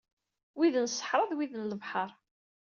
Wid n ṣṣeḥra d wid n lebḥer.